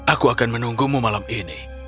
aku akan menunggumu malam ini